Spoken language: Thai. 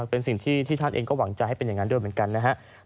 เป็นสิ่งที่ท่านเองก็หวังใจให้เป็นอย่างนั้นด้วยเหมือนกันนะครับ